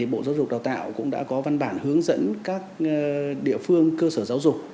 bộ giáo dục đào tạo cũng đã có văn bản hướng dẫn các địa phương cơ sở giáo dục